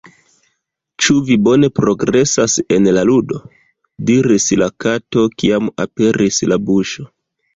"Ĉu vi bone progresas en la ludo?" diris la Kato, kiam aperis la buŝo.